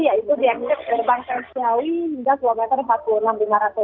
yaitu dianggap berbangkai jauhi hingga dua empat puluh enam m